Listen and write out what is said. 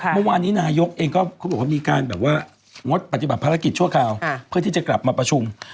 ถูกค่ะคุณบอกว่ามีการแบบว่างดปฏิบัติภาระกิจชั่วคราวเพื่อที่จะกลับมาประชุม